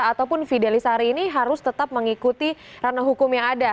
ataupun fidelis hari ini harus tetap mengikuti ranah hukum yang ada